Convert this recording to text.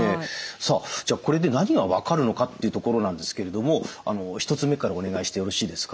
さあこれで何が分かるのかっていうところなんですけれども１つ目からお願いしてよろしいですか？